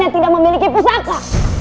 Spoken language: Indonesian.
yang memiliki pusaka